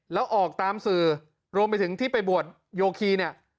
แล้วออกตามสื่อรวมไปถึงที่ไปบวชโยคีเนี่ย